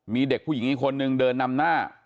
มีเด็กผู้หญิงอีกคนนึงเดินนำหน้า